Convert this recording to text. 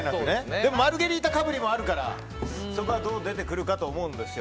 でもマルゲリータかぶりがあるからそこはどう出てくるかと思うんですよ。